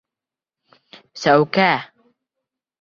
Сәүкә!